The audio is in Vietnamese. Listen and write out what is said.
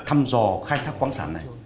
thăm dò khai thác khoáng sản này